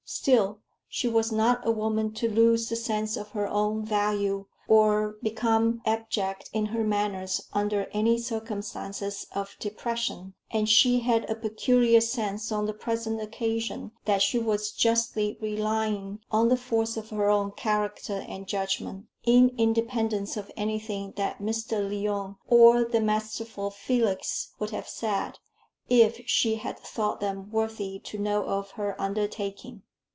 Still, she was not a woman to lose the sense of her own value, or become abject in her manners under any circumstances of depression; and she had a peculiar sense on the present occasion that she was justly relying on the force of her own character and judgment, in independence of anything that Mr. Lyon or the masterful Felix would have said, if she had thought them worthy to know of her undertaking.